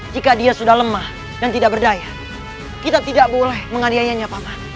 jika dia sudah lemah dan tidak berdaya kita tidak boleh mengandainya pak man